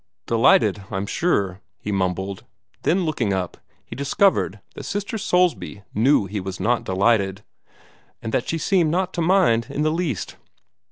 "Delighted, I'm sure," he mumbled. Then, looking up, he discovered that Sister Soulsby knew he was not delighted, and that she seemed not to mind in the least.